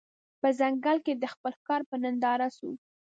په ځنګله کي د خپل ښکار په ننداره سو